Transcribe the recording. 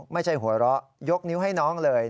ไม่ใช่หัวเราะยกนิ้วให้น้องเลย